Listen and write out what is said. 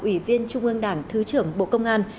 ủy viên trung ương đảng thứ trưởng bộ công an